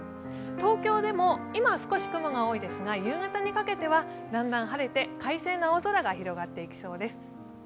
東京でも今は少し雲が多いですが、夕方にかけてはだんだん晴れて快晴の青空が広がっていきそうです。